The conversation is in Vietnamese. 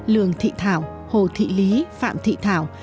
lường thị thảo hồ thị lý phạm thị thảo